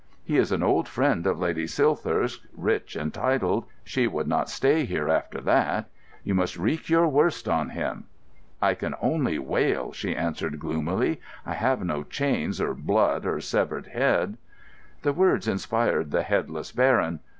He is an old friend of Lady Silthirsk, rich and titled; she would not stay here after that. You must wreak your worst on him." "I can only wail," she answered gloomily; "I have no chains, or blood, or severed head——" The words inspired the headless Baron.